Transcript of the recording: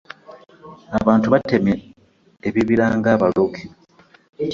Abantu batemye ebibira ng’abaloge.